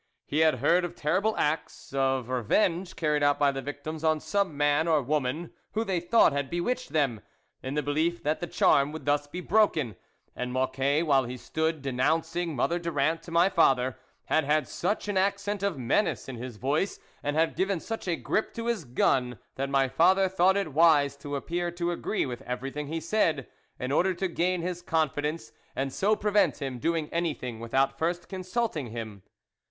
He had heard of terrible acts of revenge carried out by the victims on some man or woman who they thought had bewitched them, in the belief that the charm would thus be broken ; and Moc quet, while he stood denouncing Mother Durand to my father, had had such an accent of menace in his voice, and had given such a grip to his gun, that my father thought it wise to appear to agree with everything he said, in order to gain his confidence and so prevent him do ing anything without first consulting him.